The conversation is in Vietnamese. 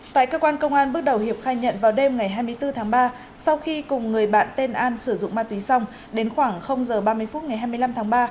tại cơ quan công an bước đầu hiệp khai nhận vào đêm ngày hai mươi bốn tháng ba sau khi cùng người bạn tên an sử dụng ma túy xong đến khoảng h ba mươi phút ngày hai mươi năm tháng ba